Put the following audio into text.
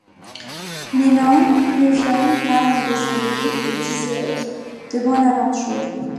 Mina, plus jeune, calme et réservée, est diseuse de bonne aventure.